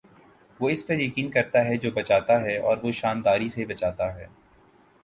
وہ اس پر یقین کرتا ہے جو بجاتا ہے اور وہ شانداری سے بجاتا ہے